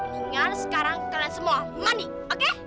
tinggal sekarang kalian semua money oke